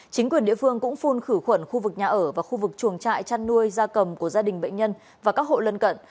chính quyền địa phương cũng phun khử khuẩn khu vực nhà ở và khu vực chuồng trại chăn nuôi da cầm của gia đình bệnh nhân và các hộ lân cận